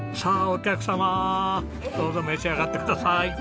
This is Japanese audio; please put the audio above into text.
お客様どうぞ召し上がってください。